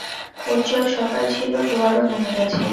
উজ্জ্বল সকাল ছিলো, জোয়ারও নেমে গেছে।